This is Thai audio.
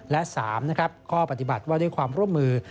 และ๓ข้อปฏิบัติว่าด้วยความร่วมมือ